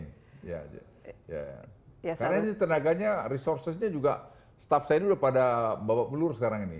karena ini tenaganya resourcesnya juga staff saya ini udah pada bawa pelur sekarang ini